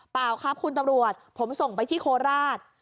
เปล่าครับคุณตำรวจผมส่งไปที่โคราช